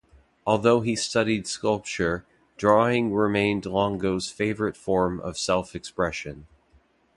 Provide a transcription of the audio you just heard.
Although he studied sculpture, drawing remained Longo's favorite form of self-expression.